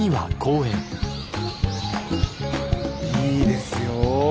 いいですよ